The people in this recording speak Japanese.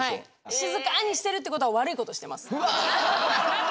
静かにしてるってことは悪いことをしてます。